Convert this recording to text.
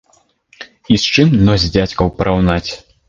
І з чым нос дзядзькаў параўнаць.